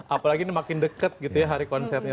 apalagi ini makin deket gitu ya hari konsernya